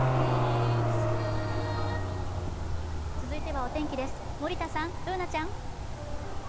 続いてはお天気です、森田さん、Ｂｏｏｎａちゃん。